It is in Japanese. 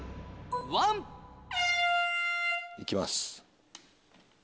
行きます。